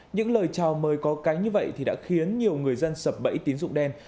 những lời chào mời có cái như vậy thì đã khiến nhiều người dân sập bẫy tín dụng đen